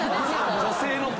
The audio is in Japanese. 女性の倍！